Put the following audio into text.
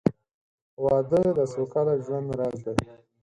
• واده د سوکاله ژوند راز دی.